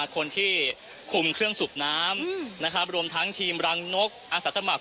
คนที่คุมเครื่องสูบน้ำอืมนะครับรวมทั้งทีมรังนกอาศัยสมัคร